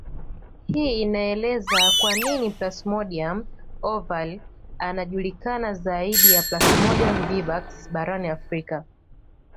Hii inaeleza kwa nini Plasmodium ovale anajulikana zaidi ya Plasmodium vivax barani Afrika